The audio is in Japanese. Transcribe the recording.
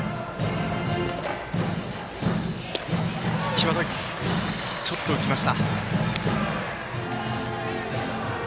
際どい、ちょっと浮きました。